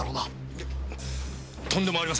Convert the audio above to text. いえとんでもありません。